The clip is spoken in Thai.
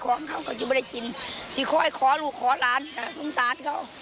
ของเขาก็จะไม่ได้กินที่คอยขอลูกขอหลานสงสารเขา